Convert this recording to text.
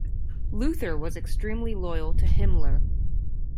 Luther was extremely loyal to Himmler.